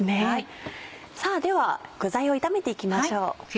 さぁでは具材を炒めていきましょう。